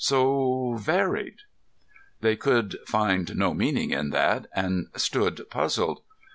"So varied." They could find no meaning in that, and stood puzzled.